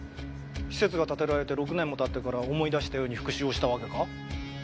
施設が建てられて６年も経ってから思い出したように復讐をしたわけか？